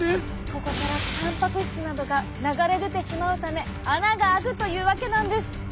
ここからたんぱく質などが流れ出てしまうため穴があくというわけなんです。